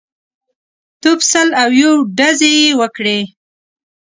توپ سل او یو ډزې یې وکړې.